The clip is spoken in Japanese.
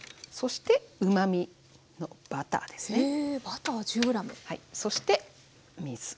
そしてうまみのバターですね。